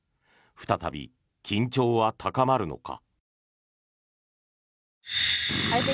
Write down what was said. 再び、緊張は高まるのか。